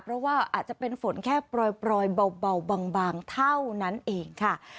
เพราะว่าอาจจะเป็นฝนแค่ปล่อยเบาบางเท่านั้นเองค่ะ